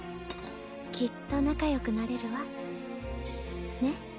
きっと仲良くなれるわねっ？